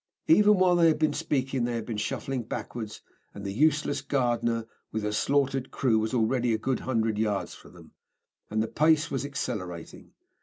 Even while they had been speaking they had been shuffling backwards, and the useless Gardner, with her slaughtered crew, was already a good hundred yards from them. And the pace was accelerating.